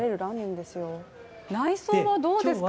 内装はどうですか？